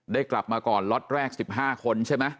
กลับมาก่อนล็อตแรก๑๕คนใช่ไหม